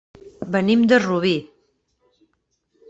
Venim de Rubí.